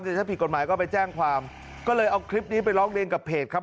แต่ถ้าผิดกฎหมายก็ไปแจ้งความก็เลยเอาคลิปนี้ไปร้องเรียนกับเพจครับ